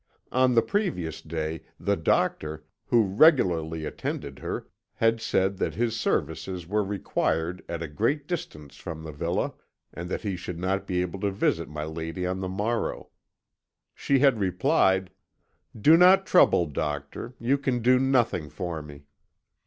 On the previous day the doctor, who regularly attended her, had said that his services were required at a great distance from the villa, and that he should not be able to visit my lady on the morrow. She had replied: "'Do not trouble, doctor; you can do nothing for me.'